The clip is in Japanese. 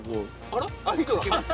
あら？